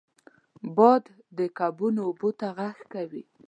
باد د کبانو اوبو ته غږ کوي